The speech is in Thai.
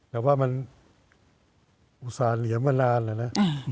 แต่ว่ามันอุตส่าหลียมานานแล้วนะ